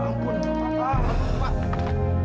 ya ampun apa lu pak